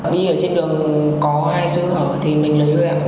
đi ở trên đường có ai sơ hỏi thì mình lấy người em